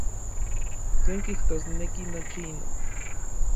¿Tlen kijtosneki nochi inon?